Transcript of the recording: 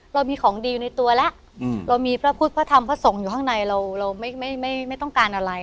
เรามีของดีอยู่ในตัวแล้วเรามีพระพุทธพระธรรมพระสงฆ์อยู่ข้างในเราเราไม่ต้องการอะไร